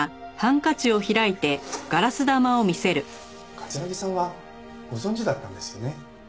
桂木さんはご存じだったんですよね？